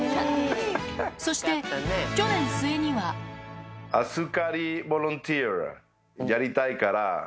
そして、去年末には。預かりボランティアやりたいから。